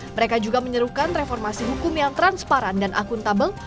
mereka juga menyerukan reformasi hukum yang transparan dan akuntabel